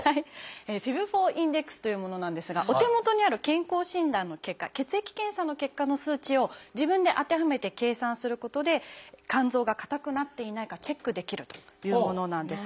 「ＦＩＢ−４ｉｎｄｅｘ」というものなんですがお手元にある健康診断の結果血液検査の結果の数値を自分で当てはめて計算することで肝臓が硬くなっていないかチェックできるというものなんです。